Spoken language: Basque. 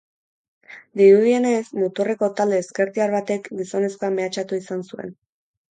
Dirudienez, muturreko talde ezkertiar batek gizonezkoa mehatxatu izan zuen.